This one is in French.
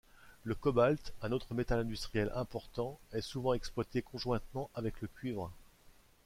Le cobalt, un autre métal industriel important, est souvent exploité conjointement avec le cuivre.